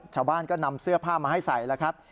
ชาวบ้านก็นำเสื้อผ้ามาให้ใส่แล้วครับ